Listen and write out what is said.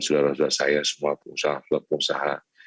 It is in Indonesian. saudara saudara saya semua pengusaha klub pengusaha